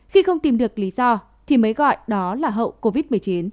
khi không tìm được lý do thì mới gọi đó là hậu covid một mươi chín